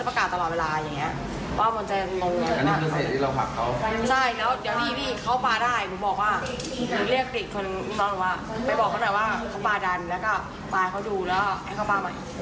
ไปบอกเขาหน่อยว่าเขาปลาดันแล้วก็ปลาเขาดูแล้วให้เขาปลาใหม่